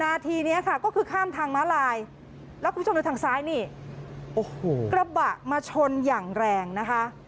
นาทีนี้ค่ะก็คือข้ามทางม้าลายแล้วคุณผู้ชมดูทางซ้ายนี่โอ้โหกระบะมาชนอย่างแรงนะคะ